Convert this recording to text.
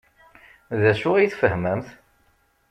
D acu ay tfehmemt?